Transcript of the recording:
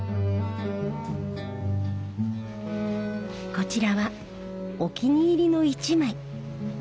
こちらはお気に入りの１枚。